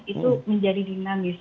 itu menjadi dinamis